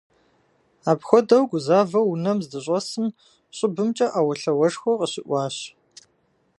Апхуэдэу гузавэу унэм здыщӏэсым, щӏыбымкӏэ Ӏэуэлъауэшхуэ къыщыӀуащ.